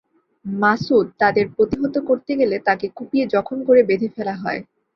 মাসুদ তাদের প্রতিহত করতে গেলে তাঁকে কুপিয়ে জখম করে বেঁধে ফেলা হয়।